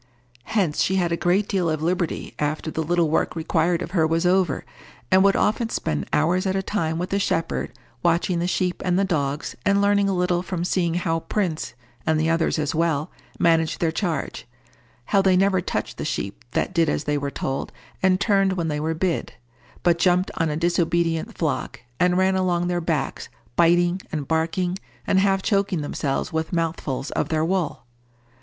Hence she had a great deal of liberty after the little work required of her was over, and would often spend hours at a time with the shepherd, watching the sheep and the dogs, and learning a little from seeing how Prince, and the others as well, managed their charge—how they never touched the sheep that did as they were told and turned when they were bid, but jumped on a disobedient flock, and ran along their backs, biting, and barking, and half choking themselves with mouthfuls of their wool.